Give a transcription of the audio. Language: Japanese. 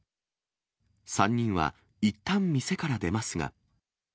３人はいったん店から出ますが。